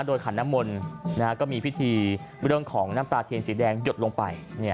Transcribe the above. โดยขันน้ำมลนะฮะก็มีพิธีบิดลงของน้ำตาเทียนสีแดงยดลงไปเนี่ย